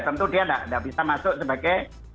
tentu dia nggak bisa masuk sebagai